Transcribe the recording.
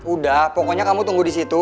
udah pokoknya kamu tunggu di situ